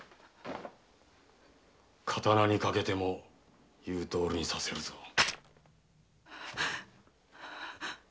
刀にかけても言うとおりにさせるぞ。